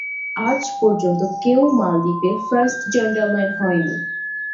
আজ পর্যন্ত কেউ মালদ্বীপ এর ফার্স্ট জেন্টলম্যান হননি।